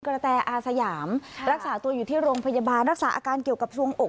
กระแตอาสยามรักษาตัวอยู่ที่โรงพยาบาลรักษาอาการเกี่ยวกับทรวงอก